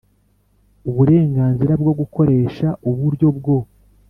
Uburenganzira bwo gukoresha uburyo bwo